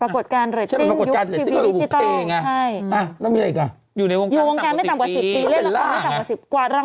ปรากฏการเรตติ้งยุคทีวีดิจิทัล